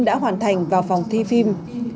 đã hoàn thành vào phòng thi phim